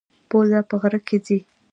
بوزه په غره کې ځي.